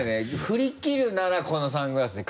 振り切るならこのサングラスで。